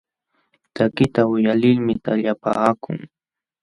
Takiqta uyalilmi taqllapaakun.